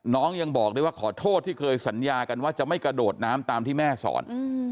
ยังบอกได้ว่าขอโทษที่เคยสัญญากันว่าจะไม่กระโดดน้ำตามที่แม่สอน